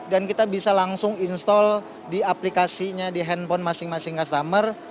dan kita bisa langsung install di aplikasinya di handphone masing masing customer